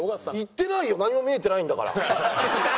行ってないよ何も見えてないんだから。